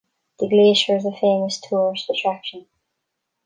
The glacier is a famous tourist attraction.